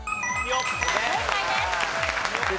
正解です。